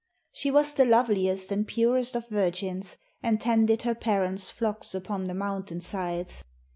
She was the loveliest and purest of virgins, and tended her parents' flocks upon the mountain sides.